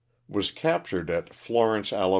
Was captured at Flor ence, Ala.